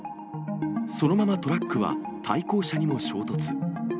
そのままトラックは対向車にも衝突。